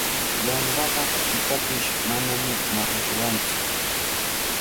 Yanqaqa pitapish manami maqashwantsu.